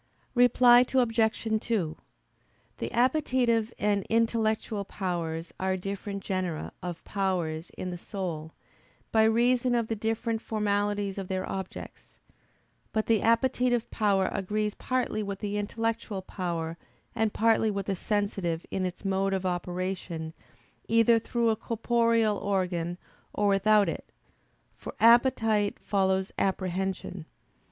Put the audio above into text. Reply Obj. 2: The appetitive and intellectual powers are different genera of powers in the soul, by reason of the different formalities of their objects. But the appetitive power agrees partly with the intellectual power and partly with the sensitive in its mode of operation either through a corporeal organ or without it: for appetite follows apprehension.